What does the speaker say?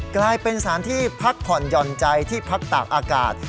กลายเป็นสถานที่พักผ่อนหย่อนใจที่พักตากอากาศ